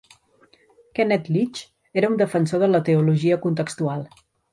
Kenneth Leech era un defensor de la teologia contextual.